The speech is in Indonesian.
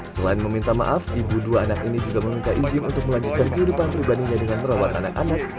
selain meminta maaf ibu dua anak ini juga meminta izin untuk melanjutkan kehidupan pribadinya dengan merawat anak anak